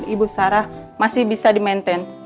ibu sarah masih bisa di maintain